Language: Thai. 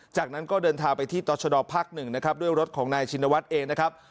จากนั้นก็เดินทางไปที่ตรชดภาคหนึ่งนะครับด้วยรถของนายชินวัฒน์เองนะครับ